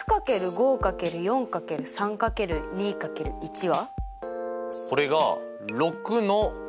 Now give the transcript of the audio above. では４×３×２×１は？